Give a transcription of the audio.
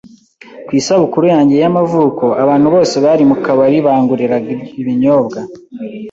Ku isabukuru yanjye y'amavuko, abantu bose bari mu kabari banguriraga ibinyobwa.